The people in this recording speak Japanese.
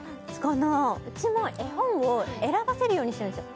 うちも絵本を選ばせるようにしたんですよ